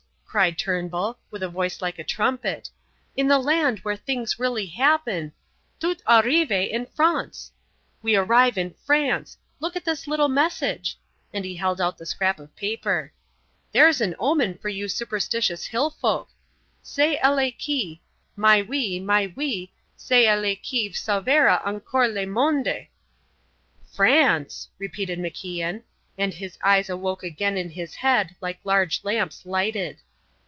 cried Turnbull, with a voice like a trumpet, "in the land where things really happen Tout arrive en France. We arrive in France. Look at this little message," and he held out the scrap of paper. "There's an omen for you superstitious hill folk. C'est elle qui Mais oui, mais oui, c'est elle qui sauvera encore le monde." "France!" repeated MacIan, and his eyes awoke again in his head like large lamps lighted.